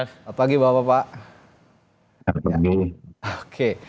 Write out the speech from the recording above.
selamat pagi bapak